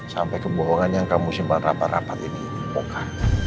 sampai kebohongan yang kamu simpan rapat rapat ini poka